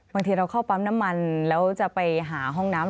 บางทีเราเข้าปั๊มน้ำมันแล้วจะไปหาห้องน้ำ